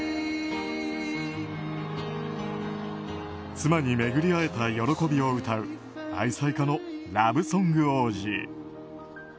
妻に巡り合えた喜びを歌う愛妻家のラブソング王子。